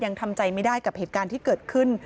ยังทำใจไม่ได้กับเหตุการณ์ที่เกิดขึ้น